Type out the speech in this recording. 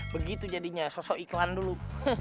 begitu jadinya sosok iklan dulu